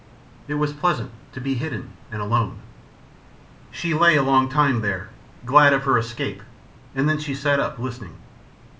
It was pleasant to be hidden and alone. She lay a long time there, glad of her escape, and then she sat up listening.